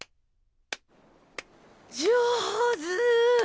上手。